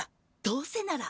どうせなら。